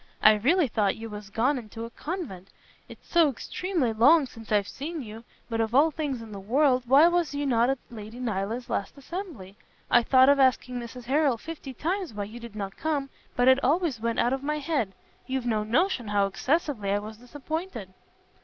I really thought you was gone into a convent, it's so extreme long since I've seen you. But of all things in the world, why was you not at Lady Nyland's last assembly? I thought of asking Mrs Harrel fifty times why you did not come, but it always went out of my head. You've no notion how excessively I was disappointed."